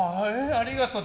ありがとう。